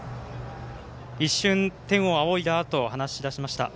一瞬天を仰いだあと話し出しました。